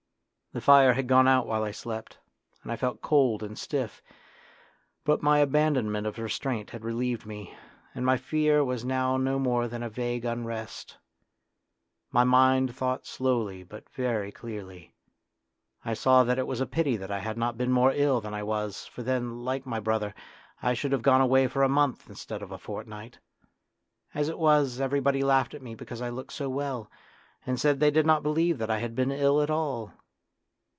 The fire had gone out while I slept, and I felt cold and stiff, but my abandonment of restraint had relieved me, and my fear was now no more than a vague unrest. My mind thought slowly but very clearly. I saw that it was a pity that I had not been more ill than I was, for then, like my brother, I should have gone away for a month instead of a fortnight. As it was, everybody laughed at me because 1 looked so well, and said they did not believe 40 A DRAMA OF YOUTH that I had been ill at all.